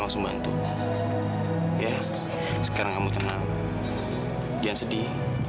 langsung bantu ya sekarang kamu tenang biar sedih